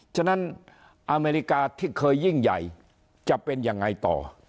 ฉะนั้นอเมริกาที่เคยยิ่งใหญ่จะเป็นยังไงต่อ